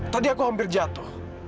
tadi aku hampir jatuh